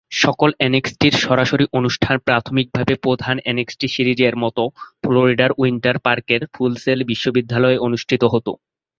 সকল এনএক্সটির সরাসরি অনুষ্ঠান প্রাথমিকভাবে প্রধান এনএক্সটি সিরিজের মতো ফ্লোরিডার উইন্টার পার্কের ফুল সেল বিশ্ববিদ্যালয়ে অনুষ্ঠিত হতো।